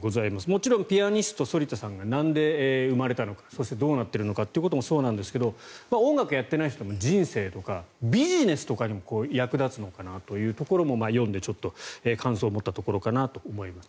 もちろんピアニスト、反田さんがなんで生まれたのかそしてどうなっているのかってこともそうなんですが音楽をやっていない人も人生とかビジネスにも役立つのかなというところも読んで、感想を持ったところかなと思います。